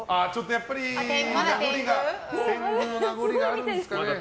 やっぱり、天狗の名残があるんですかね。